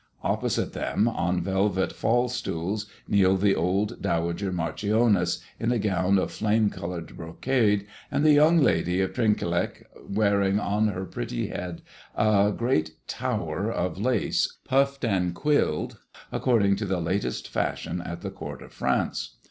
Opposite them, on velvet fall stools, kneel the old dowager Marchioness, in a gown of flame colored brocade, and the young lady of Trinquelague, wearing on her pretty head a great tower of lace puffed and quilled according to the latest fashion at the court of France.